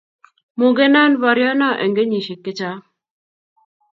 mukenan boryono eng kenyisiek chechang